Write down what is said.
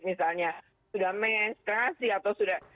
misalnya sudah menstreasi atau sudah